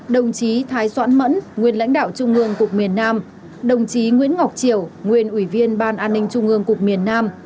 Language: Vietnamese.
đồng chí thái doãn mẫn nguyên lãnh đạo trung ương cục miền nam đồng chí nguyễn ngọc triều nguyên ủy viên ban an ninh trung ương cục miền nam